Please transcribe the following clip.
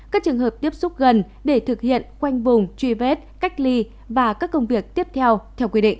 các trường hợp tiếp xúc gần để thực hiện khoanh vùng truy vết cách ly và các công việc tiếp theo theo quy định